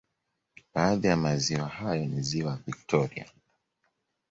Baadhi ya maziwa hayo ni ziwa Victoria